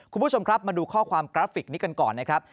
คุณผู้ชมครับมาดูข้อความกราฟิกนี้กันก่อนนะครับ